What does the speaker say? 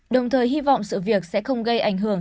đồng thời hy vọng sự việc sẽ không gây ảnh hưởng